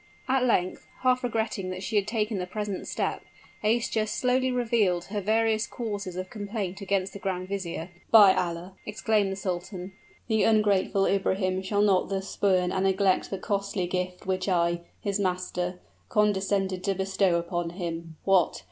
At length, half regretting that she had taken the present step, Aischa slowly revealed her various causes of complaint against the grand vizier. "By Allah!" exclaimed the sultan, "the ungrateful Ibrahim shall not thus spurn and neglect the costly gift which I, his master, condescended to bestow upon him! What!